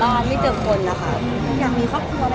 อยากมีครอบครัวอะไรครับอย่างนี้